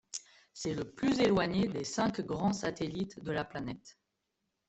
C'est le plus éloigné des cinq grands satellites de la planète.